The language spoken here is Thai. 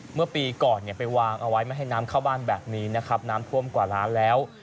เมื่อปีก่อนไปวางเอาไว้ไม่ให้น้ำเข้าบ้านแบบนี้นะครับน้ำท่วมกว่าล้านแล้ว